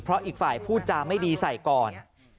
เพราะอีกฝ่ายพูดจาไม่ดีใส่ก่อน